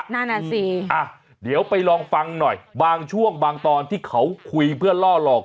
นั่นอ่ะสิอ่ะเดี๋ยวไปลองฟังหน่อยบางช่วงบางตอนที่เขาคุยเพื่อล่อหลอก